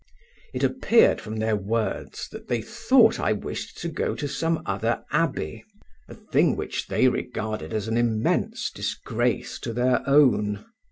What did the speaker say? It appeared from their words that they thought I wished to go to some other abbey, a thing which they regarded as an immense disgrace to their own.